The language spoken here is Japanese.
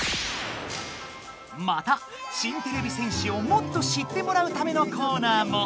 また新てれび戦士をもっと知ってもらうためのコーナーも。